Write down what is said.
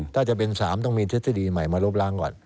ถ้าจะเป็น๓ต้องมีทฤษฎีใหม่มาลบล้างก่อน